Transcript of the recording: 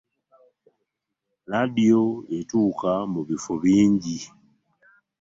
Laadiyo etuuka mu bifo bingi.